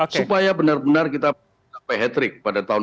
supaya benar benar kita sampai heterik pada tahun dua ribu dua puluh empat